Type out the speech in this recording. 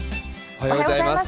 おはようございます。